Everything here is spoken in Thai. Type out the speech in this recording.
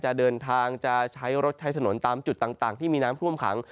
จะเดินทางจะใช้รถใช้ถนนตามจุดต่างที่มีน้ำท่วมขัง